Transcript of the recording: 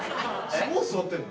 もう座ってんの？